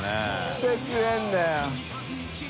クセ強いんだよ。